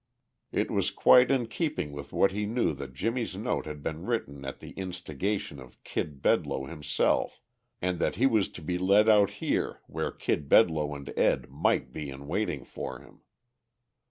It was quite in keeping with what he knew that Jimmie's note had been written at the instigation of Kid Bedloe himself and that he was to be led out here where Kid Bedloe and Ed might be in waiting for him.